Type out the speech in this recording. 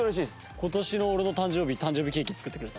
今年の俺の誕生日誕生日ケーキ作ってくれた。